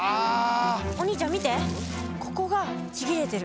お兄ちゃん見てここがちぎれてる。